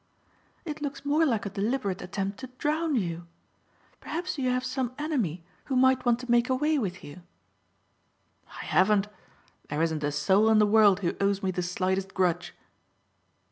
"It looks more like a deliberate attempt to drown you. Perhaps you have some enemy who might want to make away with you." "I haven't. There isn't a soul in the world who owes me the slightest grudge."